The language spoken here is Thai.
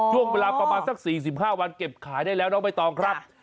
ช่วงเวลาประมาณสัก๔๕วันเก็บขายได้แล้วน้องใบตองครับ